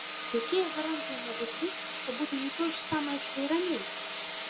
Якія гарантыі могуць быць, што будзе не тое ж самае, што і раней?